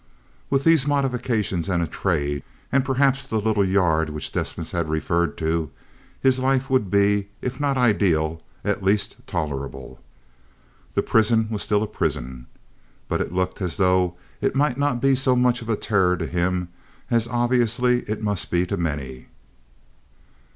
With these modifications and a trade, and perhaps the little yard which Desmas had referred to, his life would be, if not ideal, at least tolerable. The prison was still a prison, but it looked as though it might not be so much of a terror to him as obviously it must be to many.